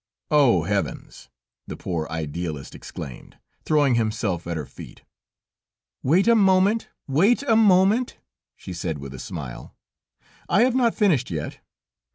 "Oh! Heavens!" the poor Idealist exclaimed, throwing himself at her feet. "Wait a moment! Wait a moment!" she said with a smile. "I have not finished yet.